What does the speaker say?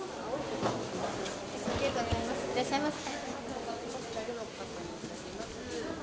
いらっしゃいませ。